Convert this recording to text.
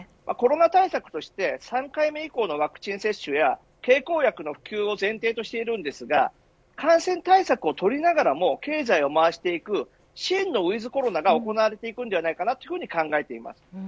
コロナ対策として３回目以降のワクチン接種や経口薬の普及を前提としてますが感染対策をとりながらも経済を回していく真のウィズコロナが行われていくと考えます。